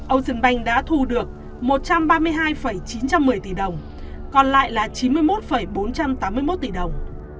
ocean bank đã thu được một trăm ba mươi hai chín trăm một mươi tỷ đồng còn lại là chín mươi một bốn trăm tám mươi một tỷ đồng